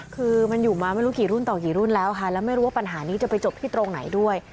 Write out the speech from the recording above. คือมันอยู่มาไม่รู้กี่รุ่นต่อกี่รุ่นแล้วค่ะแล้วไม่รู้ว่าปัญหานี้จะไปจบที่ตรงไหนด้วย